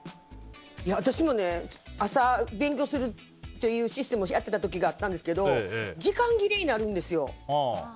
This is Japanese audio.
私も朝勉強するというシステムをやってた時があったんですけど時間切れになるんですよ。